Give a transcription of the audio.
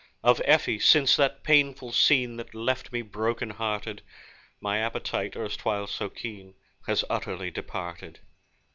Of, Effie, since that painful scene That left me broken hearted, My appetite, erstwhile so keen, Has utterly departed.